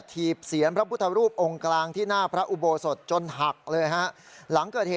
ถีบเสียนพระพุทธรูปองค์กลางที่หน้าพระอุโบสถจนหักเลยฮะ